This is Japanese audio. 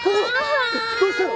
どうしたの！？